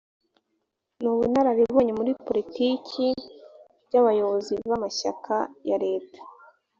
n ubunararibonye muri poritiki by abayobozi b amashyaka ya leta